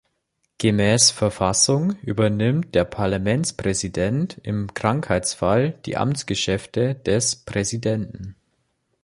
Gemäß Verfassung übernimmt der Parlamentspräsident im Krankheitsfall die Amtsgeschäfte des Präsidenten.